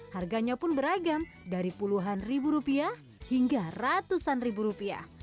harganya pun beragam dari puluhan ribu rupiah hingga ratusan ribu rupiah